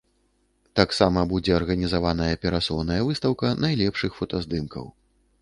Таксама будзе арганізаваная перасоўная выстаўка найлепшых фотаздымкаў.